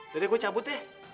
dari gue cabut ya